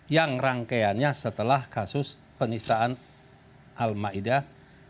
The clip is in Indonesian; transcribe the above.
yang rangkeannya setelah kasus penistaan al ma'idah lima puluh satu